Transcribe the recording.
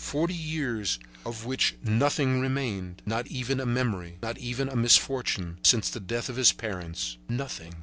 Forty years of which nothing remained, not even a memory, not even a misfortune, since the death of his parents. Nothing.